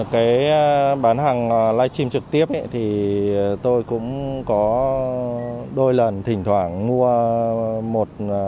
cái bán hàng live stream trực tiếp thì tôi cũng có đôi lần thỉnh thoảng mua một